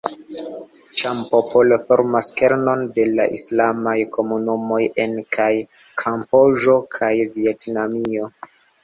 Ĉam-popolo formas kernon de la islamaj komunumoj en kaj Kamboĝo kaj Vjetnamio.